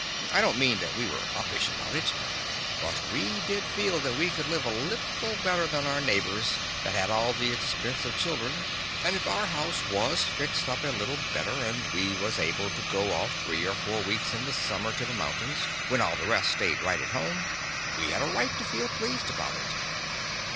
I don't mean that we were uppish about it, but we did feel that we could live a little better than our neighbors that had all the expense of children, and if our house was fixed up a little better, and we was able to go off three or four weeks in the summer to the moun tains, when all the rest stayed right at home, we had a right to feel pleased about it.